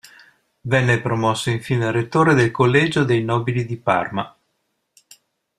Venne promosso infine rettore del collegio dei Nobili di Parma.